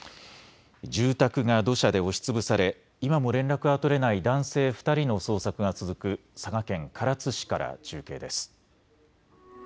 住宅が土砂で押しつぶされ今も連絡が取れない男性２人の捜索が続く佐賀県唐津市から中継です。